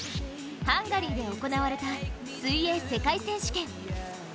ハンガリーで行われた水泳世界選手権。